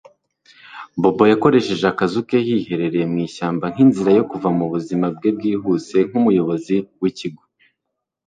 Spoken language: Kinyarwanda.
Bobo yakoresheje akazu ke yiherereye mu ishyamba nkinzira yo kuva mu buzima bwe bwihuse nkumuyobozi wikigo